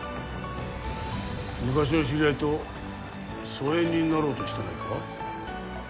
昔の知り合いと疎遠になろうとしてないか？